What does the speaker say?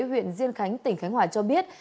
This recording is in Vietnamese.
huyện diên khánh tỉnh khánh hòa cho biết